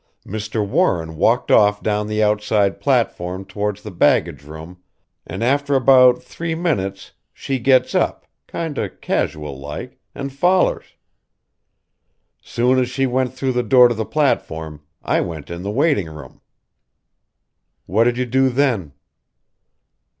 Mr. Warren walked off down the outside platform towards the baggage room an' after about three minutes she gets up, kinder casual like and follers. Soon as she went through the door to the platform I went in the waitin' room." "What did you do then?"